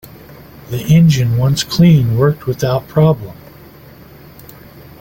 The engine, once cleaned, worked without problem.